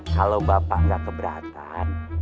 kalau bapak gak keberatan